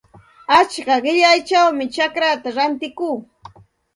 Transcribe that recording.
Achka qillayćhawmi chacraata rantikuu.